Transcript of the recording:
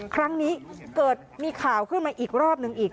ครั้งนี้เกิดมีข่าวขึ้นมาอีกรอบนึงอีก